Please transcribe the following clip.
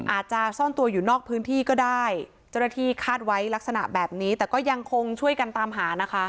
อาจจะซ่อนตัวอยู่นอกพื้นที่ก็ได้เจ้าหน้าที่คาดไว้ลักษณะแบบนี้แต่ก็ยังคงช่วยกันตามหานะคะ